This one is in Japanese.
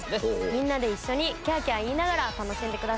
みんなで一緒にきゃきゃ言いながら楽しんでください。